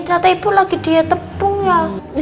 rata rata ibu lagi dia tepung ya